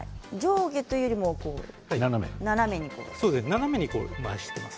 斜めに回しています。